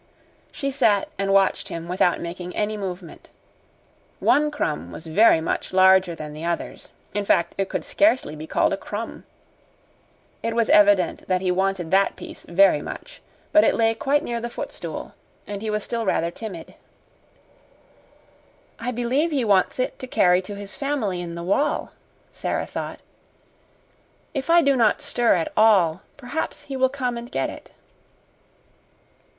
She sat and watched him without making any movement. One crumb was very much larger than the others in fact, it could scarcely be called a crumb. It was evident that he wanted that piece very much, but it lay quite near the footstool and he was still rather timid. "I believe he wants it to carry to his family in the wall," Sara thought. "If I do not stir at all, perhaps he will come and get it."